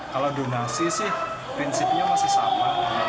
kalau donasi sih prinsipnya masih sama